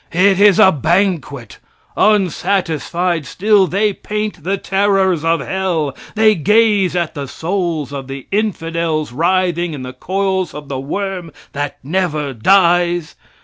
It is a banquet. Unsatisfied still, they paint the terrors of hell. They gaze at the souls of the infidels writhing in the coils of the worm that never dies.